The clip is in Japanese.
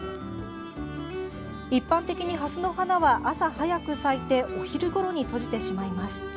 一般的にハスの花は朝早く咲いてお昼ごろに閉じてしまいます。